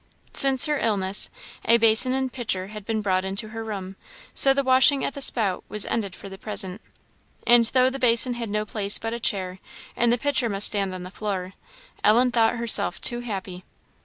Since her illness, a basin and pitcher had been brought into her room, so the washing at the spout was ended for the present; and, though the basin had no place but a chair, and the pitcher must stand on the floor, Ellen thought herself too happy.